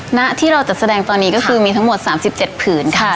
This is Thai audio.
ณที่เราจะแสดงตอนนี้ก็คือมีทั้งหมด๓๗ผืนค่ะ